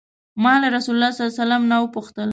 ما له رسول الله صلی الله علیه وسلم نه وپوښتل.